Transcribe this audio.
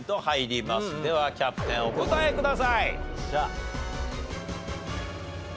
ではキャプテンお答えください。